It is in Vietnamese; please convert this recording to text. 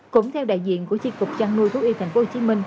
cũng theo đại diện của chiếc cục trang nuôi thú y tp hcm